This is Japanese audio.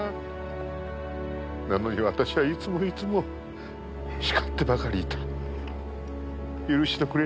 なのに私はいつもいつも叱ってばかりいた。許しておくれ。